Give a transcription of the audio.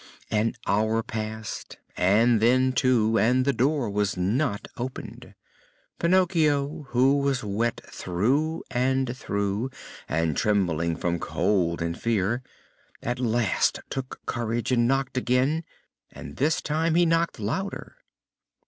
An hour passed, and then two, and the door was not opened. Pinocchio, who was wet through and through, and trembling from cold and fear, at last took courage and knocked again, and this time he knocked louder.